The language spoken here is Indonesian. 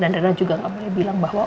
dan rena juga gak boleh bilang bahwa